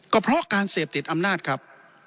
ก็เพราะการเสพติดอำนาจครับ